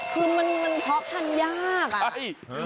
คือมันเพาะพันธุ์ยากอะ